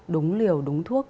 đúng liều đúng thuốc